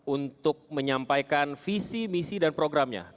untuk menyampaikan visi misi dan programnya